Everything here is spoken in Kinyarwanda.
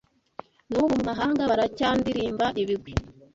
N'ubu mu mahanga baracyandilimba ibigwi